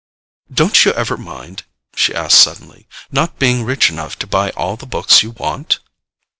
"Don't you ever mind," she asked suddenly, "not being rich enough to buy all the books you want?"